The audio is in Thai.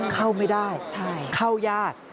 เข้าไม่ได้เข้ายาก